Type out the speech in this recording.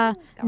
nó nói rằng